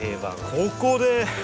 ここで！